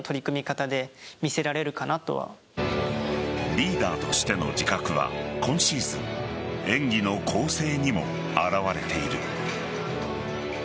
リーダーとしての自覚は今シーズン、演技の構成にも表れている。